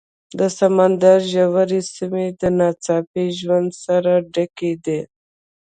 د سمندر ژورې سیمې د ناڅاپي ژوند سره ډکې دي.